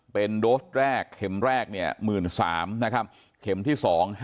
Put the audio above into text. เป็นโรสแรกเข็มแรก๑๓๐๐๐นะครับเข็มที่๒๕๘๐๐